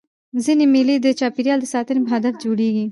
ځيني مېلې د چاپېریال د ساتني په هدف جوړېږي.